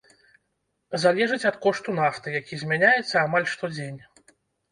Залежыць ад кошту нафты, які змяняецца амаль штодзень.